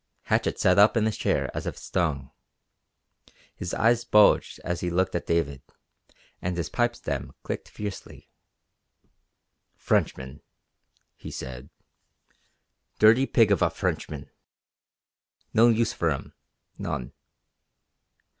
Hatchett sat up in his chair as if stung. His eyes bulged as he looked at David, and his pipe stem clicked fiercely. "Frenchman," he said. "Dirty pig of a Frenchman. No use for 'em. None.